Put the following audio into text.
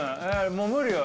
もう無理よ。